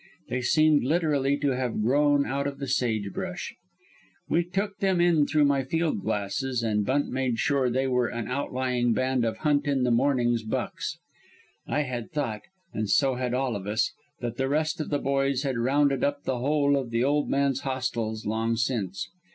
They seemed literally to have grown out of the sage brush. We took them in through my field glasses and Bunt made sure they were an outlying band of Hunt in the Morning's Bucks. I had thought, and so had all of us, that the rest of the boys had rounded up the whole of the old man's hostiles long since.